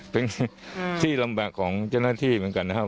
เป็นที่ลำบากของเจ้าหน้าที่เหมือนกันนะครับ